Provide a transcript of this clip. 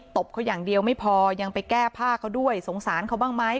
บเขาอย่างเดียวไม่พอยังไปแก้ผ้าเขาด้วยสงสารเขาบ้างไหม